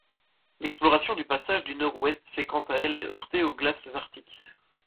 L'exploration du passage du Nord-Ouest s'est quant à elle heurtée aux glaces arctiques.